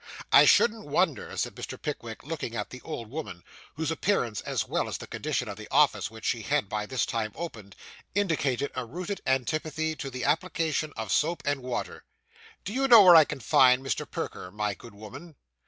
'I shouldn't wonder,' said Mr. Pickwick, looking at the old woman, whose appearance, as well as the condition of the office, which she had by this time opened, indicated a rooted antipathy to the application of soap and water; 'do you know where I can find Mr. Perker, my good woman?